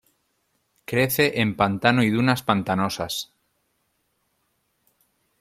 Crece en pantano y dunas pantanosas.